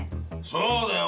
そうだよ。